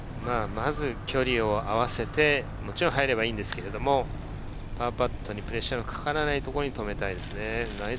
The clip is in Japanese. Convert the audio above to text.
まず距離を合わせて入ればいいんですけど、パーパットにプレッシャーがかからないところに止めたいですね。